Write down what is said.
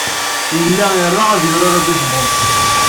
Yella ira ad yurar abaseball.